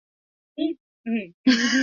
Sisi tuko tayari kuboresha kazi zaidi